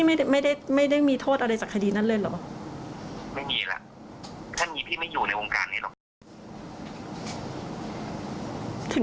พี่ไม่มีผลกระทบอะไรเลยหรอกค่ะ